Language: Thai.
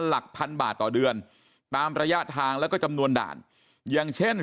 หลักพันบาทต่อเดือนตามระยะทางแล้วก็จำนวนด่านอย่างเช่น